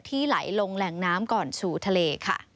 ไหลลงแหล่งน้ำก่อนสู่ทะเลค่ะ